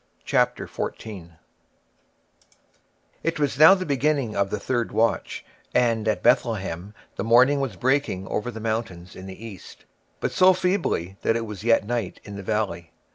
CHAPTER XIV It was now the beginning of the third watch, and at Bethlehem the morning was breaking over the mountains in the east, but so feebly that it was yet night in the valley.